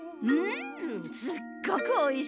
すっごくおいしいよ。